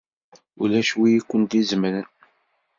Ulac win i kent-izemren!